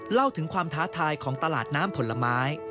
เล่าถึงความท้าทายของตลาดน้ำผลไม้